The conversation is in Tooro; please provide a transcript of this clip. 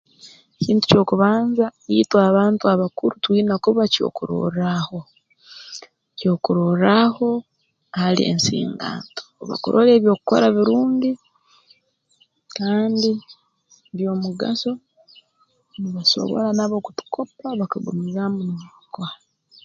Kintu ky'okubanza itwe abantu abakuru twine kuba kyokurorraaho kyokurorraaho hali ensinganto obu bakurora ebi okukora birungi kandi by'omugaso nibasobora nabo kutukopa bakagumizaamu nibabikora